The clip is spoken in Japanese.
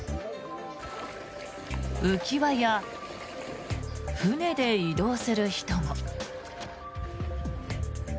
浮輪や船で移動する人も。